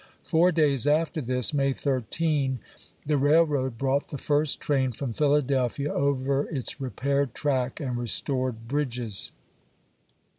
Four days after this (May 13) the railroad brought the first train from Philadelphia over its repaired track and re stored bridges.